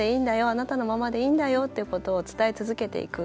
あなたのままでいいんだよっていうことを伝え続けていく。